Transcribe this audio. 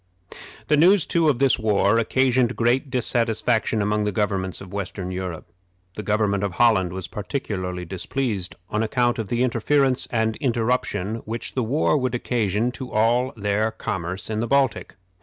The news, too, of this war occasioned great dissatisfaction among the governments of western Europe. The government of Holland was particularly displeased, on account of the interference and interruption which the war would occasion to all their commerce in the Baltic.